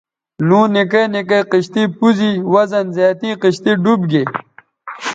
لُوں نکے نکے کشتئ پوز ی وزن زیاتیں کشتئ ڈوب گے